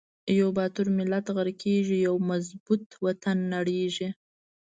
یو با تور ملت غر قیږی، یو مظبو ط وطن نړیزی